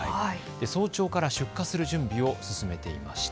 早朝から出荷する準備を進めていました。